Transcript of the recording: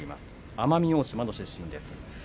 奄美大島の出身です。